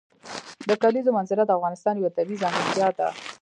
د کلیزو منظره د افغانستان یوه طبیعي ځانګړتیا ده.